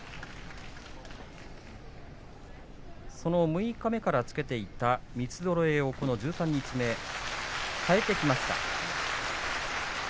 その六日目からつけていた三つぞろいをこの十三日目かえてきました。